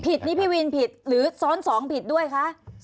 นี้พี่วินผิดหรือซ้อน๒ผิดด้วยคะ